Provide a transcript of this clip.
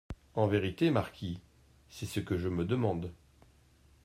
En vérité, marquis, c'est ce que je me demande.